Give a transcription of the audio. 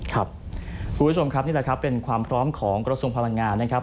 ครับคุณผู้ชมครับนี่ล่ะครับเป็นความพร้อมของรสงภัณฑ์งานนะครับ